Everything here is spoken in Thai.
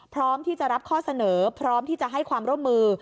พร้อมที่จะรับข้อเสนอพร้อมที่จะให้ความร่วมมือ